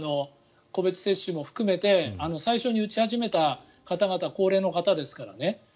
個別接種も含めて最初に打ち始めた方々高齢の方ですからね。